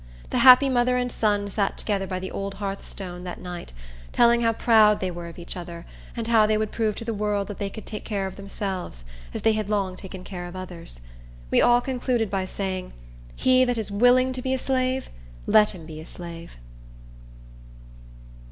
The happy mother and son sat together by the old hearthstone that night, telling how proud they were of each other, and how they would prove to the world that they could take care of themselves, as they had long taken care of others. We all concluded by saying, "He that is willing to be a slave, let him be a slave."